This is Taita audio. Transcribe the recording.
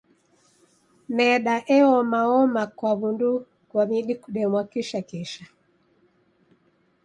Meda eomaoma kwa w'undu ghwa midi kudemwa kishakisha.